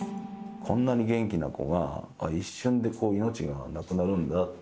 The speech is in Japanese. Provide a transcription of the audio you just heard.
こんなに元気な子が、一瞬で命が亡くなるんだって。